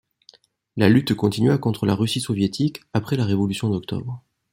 La lutte continua contre la Russie soviétique après la Révolution d'Octobre.